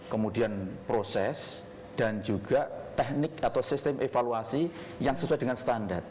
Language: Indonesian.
kemudian proses dan juga teknik atau sistem evaluasi yang sesuai dengan standar